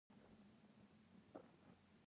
ده له پوځونو سره همکاري وکړي.